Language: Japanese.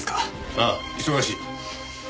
ああ忙しい。